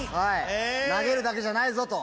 投げるだけじゃないぞ！と。